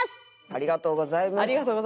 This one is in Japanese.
「ありがとうございます」